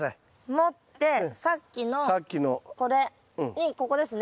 持ってさっきのこれにここですね。